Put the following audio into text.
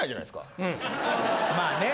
まあね。